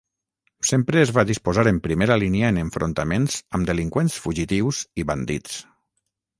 Sempre es va disposar en primera línia en enfrontaments amb delinqüents fugitius i bandits.